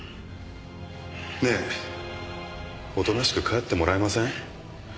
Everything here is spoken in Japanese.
ねえおとなしく帰ってもらえません？